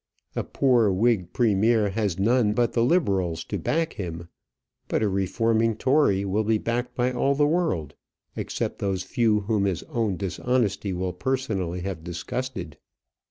A poor Whig premier has none but the Liberals to back him; but a reforming Tory will be backed by all the world except those few whom his own dishonesty will personally have disgusted.